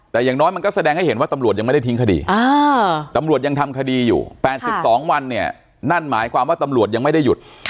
แต่อย่างน้อยมันก็แสดงให้เห็นว่าตำรวจยังไม่ได้ทิ้งคดีตำรวจยังทำคดีอยู่๘๒วันเนี่ยนั่นหมายความว่าตำรวจยังไม่ได้หยุด